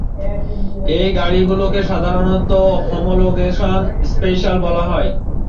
এই গাড়িগুলোকে সাধারণত "হমোলোগেশন স্পেশাল" বলা হয়।